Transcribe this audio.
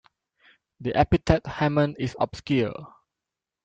The epithet Hammon is obscure.